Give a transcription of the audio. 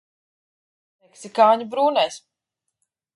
Meksikāņu brūnais.